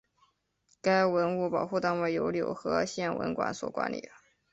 该文物保护单位由柳河县文管所管理。